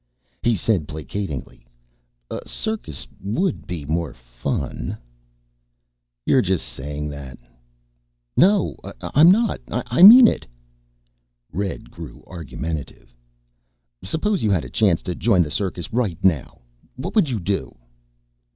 He said, placatingly, "A circus would be more fun." "You're just saying that." "No, I'm not. I mean it." Red grew argumentative. "Suppose you had a chance to join the circus right now. What would you do?"